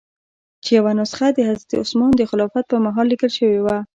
چې یوه نسخه د حضرت عثمان د خلافت په مهال لیکل شوې وه.